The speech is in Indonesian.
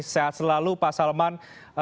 sehat selalu pak salman